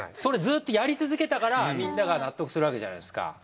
それずっとやり続けたからみんなが納得するわけじゃないですか。